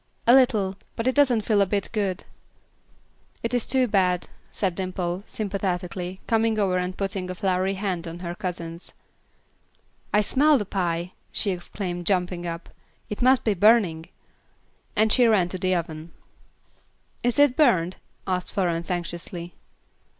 "A little; but it doesn't feel a bit good." "It is too bad," said Dimple, sympathetically, coming over and putting a floury hand on her cousin's. "I smell the pie," she exclaimed, jumping up. "It must be burning," and she ran to the oven. "Is it burned?" asked Florence, anxiously.